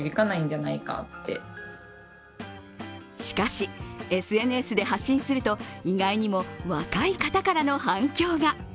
しかし、ＳＮＳで発信すると意外にも若い方からの反響が。